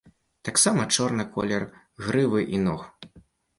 Таксама чорны колер грывы і ног.